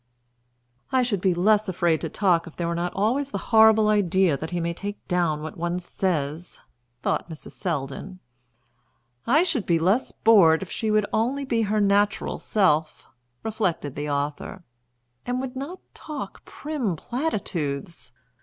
"I should be less afraid to talk if there were not always the horrible idea that he may take down what one says," thought Mrs. Selldon. "I should be less bored if she would only be her natural self," reflected the author. "And would not talk prim platitudes."